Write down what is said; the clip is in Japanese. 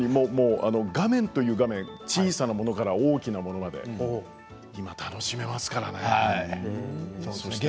画面という画面小さなものから大きなものまで楽しめますからね。